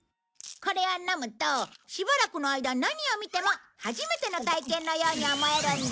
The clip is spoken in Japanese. これを飲むとしばらくの間何を見ても初めての体験のように思えるんだ。